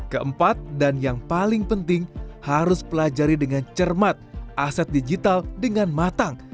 keempat dan yang paling penting harus pelajari dengan cermat aset digital dengan matang